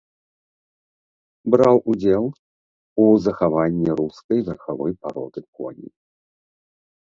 Браў удзел у захаванні рускай верхавой пароды коней.